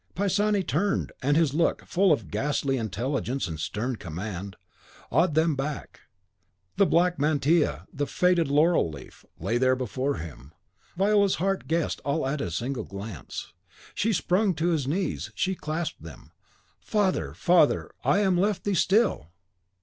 Pisani turned, and his look, full of ghastly intelligence and stern command, awed them back. The black mantilla, the faded laurel leaf, lay there before him. Viola's heart guessed all at a single glance; she sprung to his knees; she clasped them, "Father, father, I am left thee still!"